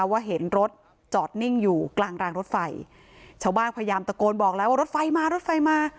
ว่าเห็นรถจอดนิ่งอยู่กลางรางรถไฟชาวบ้านพยายามตะโกนบอกแล้วว่ารถไฟมารถไฟมา